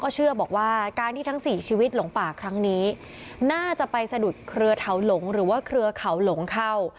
เชื่อบอกว่าการที่ทั้งสี่ชีวิตหลงป่าครั้งนี้น่าจะไปสะดุดเครือเถาหลงหรือว่าเครือเขาหลงเข้า